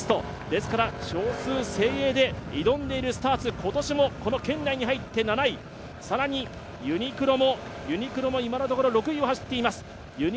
ですから少数精鋭で挑んでいるスターツ、今年も圏内に入って７位、更にユニクロも今のところ６位を走っています。